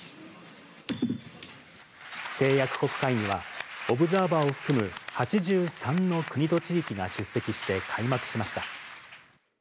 締約国会議はオブザーバーを含む８３の国と地域が出席して開幕しました。